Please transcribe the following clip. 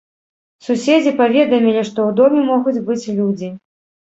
Суседзі паведамілі, што ў доме могуць быць людзі.